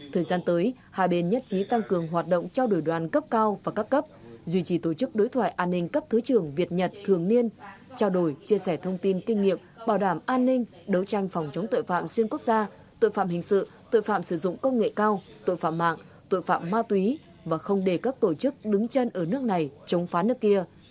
thời gian tới hạ biển nhất trí tăng cường hoạt động trao đổi đoàn cấp cao và cấp cấp duy trì tổ chức đối thoại an ninh cấp thứ trường việt nhật thường niên trao đổi chia sẻ thông tin kinh nghiệm bảo đảm an ninh đấu tranh phòng chống tội phạm xuyên quốc gia tội phạm hình sự tội phạm sử dụng công nghệ cao tội phạm mạng tội phạm ma túy và không để các tổ chức đứng chân ở nước này chống phá nước kia